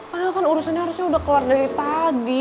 padahal kan urusannya harusnya udah keluar dari tadi